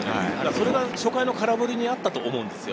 これが初回の空振りにあったと思うんです。